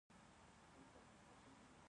لكه د پوزکي ډَکي يو په بل پسي،